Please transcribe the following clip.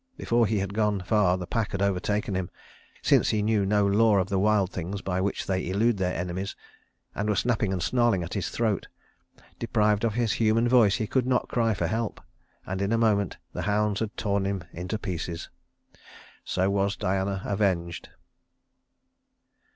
Before he had gone far the pack had overtaken him, since he knew no lore of the wild things by which they elude their enemies, and were snapping and snarling at his throat. Deprived of his human voice he could not cry for help, and in a moment the hounds had torn him into pieces. So was Diana avenged.